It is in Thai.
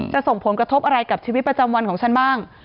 ส่งผลกระทบอะไรกับชีวิตประจำวันของฉันบ้าง